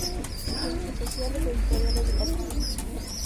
Ciencias Sociales, Editorial educativo